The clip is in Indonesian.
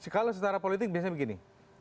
kalau secara politik biasanya begini